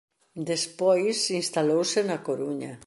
Despois instalouse na Coruña.